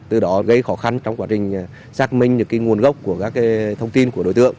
từ đó gây khó khăn trong quá trình xác minh những nguồn gốc của các thông tin của đối tượng